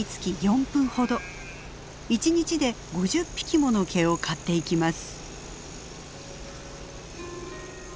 １日で５０匹もの毛を刈っていきます。